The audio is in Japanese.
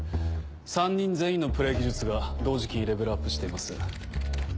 ３人全員のプレー技術が同時期にレベルアップしています。